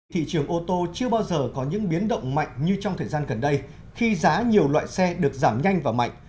thị trường ô tô chưa bao giờ có những biến động mạnh như trong thời gian gần đây khi giá nhiều loại xe được giảm nhanh và mạnh